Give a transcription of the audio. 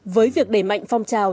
với việc để mạnh phong trào